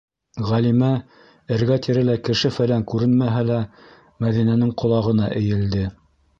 - Ғәлимә, эргә- тирәлә кеше-фәлән күренмәһә лә, Мәҙинәнең ҡолағына эйелде.